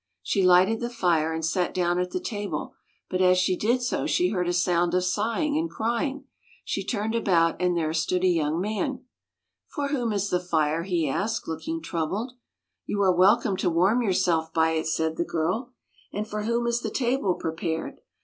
She lighted the fire, and sat down at the table; but as she did so she heard a sound of sighing and crying. She turned about and there stood a young man. " For whom is the fire? " he asked, look ing troubled. "You are welcome to warm yourself by it," said the girl. " And for whom is the table prepared? " he added.